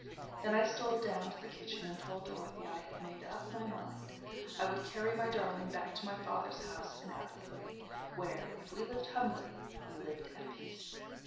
Then I stole down to the kitchen, and told Dorothy I had made up my mind. I would carry my darling back to my father's house in Applethwaite; where, if we lived humbly, we lived at peace.